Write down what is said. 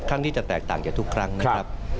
ครั้งนี้จะแตกต่างจากทุกครั้งนะครับ